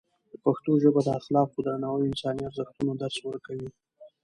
پښتو ژبه د اخلاقو، درناوي او انساني ارزښتونو درس ورکوي.